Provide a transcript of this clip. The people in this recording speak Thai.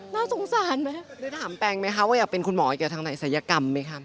น่าสงสารไหมได้ถามแปงไหมคะว่าอยากเป็นคุณหมอเกี่ยวทางไหนศัยกรรมไหมคะ